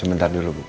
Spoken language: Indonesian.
sebentar dulu bu